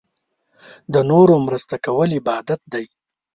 د نورو مرسته کول عبادت دی.